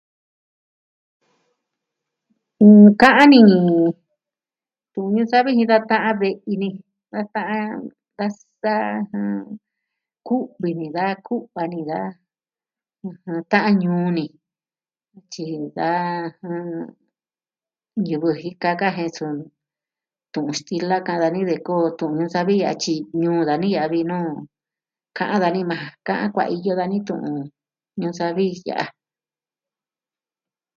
Mm... Ka'an ni tu'un ñuu savi jin da ta'an ve'i ni, da ta'an da sa... ja... ku'vi ni, da ku'va ni, da ta'an ñui ni. Tyi da jɨn... ñivɨ jika ka'an jen su... tu'un stila ka'an dani de koo tu'un ñuu savi ya'a tyi ñuu dani a vi nuu. Ka'an dani maa ja. Ka'an kuaiyo dani tu'un ñuu savi ya'a.